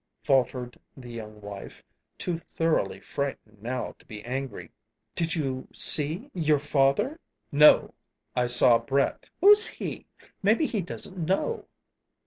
faltered the young wife, too thoroughly frightened now to be angry. "Did you see your father?" "No; I saw Brett." "Who's he? Maybe he doesn't know."